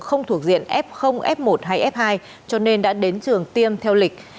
không thuộc diện f f một hay f hai cho nên đã đến trường tiêm theo lịch